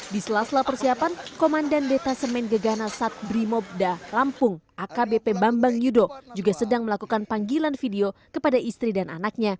di sela sela persiapan komandan detasemen gegana sat brimobda lampung akbp bambang yudho juga sedang melakukan panggilan video kepada istri dan anaknya